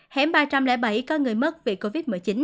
hẻm ba trăm linh bảy có người mất vì covid một mươi chín